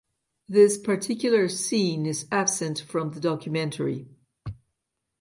This particular scene is absent from the documentary.